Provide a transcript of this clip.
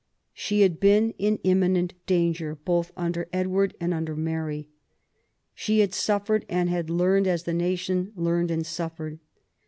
She had been in imminent danger, both under Edward and under Mary. She had suffered, and had learned as the natibri learned and suffered.